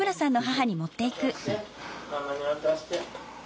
ママに渡して。